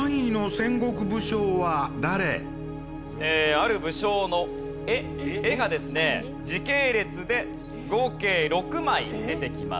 ある武将の絵絵がですね時系列で合計６枚出てきます。